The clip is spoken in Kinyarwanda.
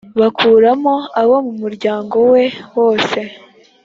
bakuramo abo mu muryango we bose